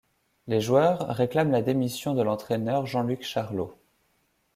Les joueurs réclament la démission de l'entraineur Jean-Luc Charlot.